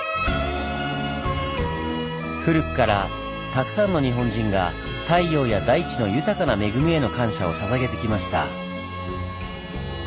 古くからたくさんの日本人が太陽や大地の豊かな恵みへの感謝をささげてきました。